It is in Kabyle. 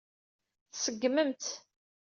Tṣeggmem-tt.